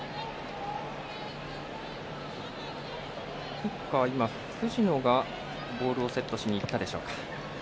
キッカー、藤野がボールをセットしにいったでしょうか。